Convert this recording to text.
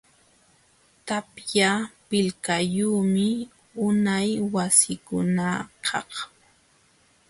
Tapya pilqayumi unay wasikunakaq.